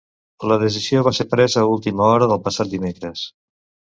La decisió va ser presa a última hora del passat dimecres.